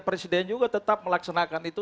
presiden juga tetap melaksanakan itu